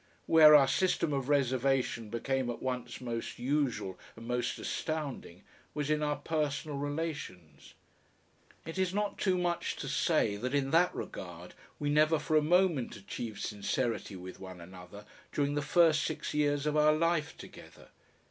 Where our system of reservation became at once most usual and most astounding was in our personal relations. It is not too much to say that in that regard we never for a moment achieved sincerity with one another during the first six years of our life together.